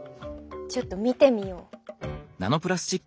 ちょっと見てみよう。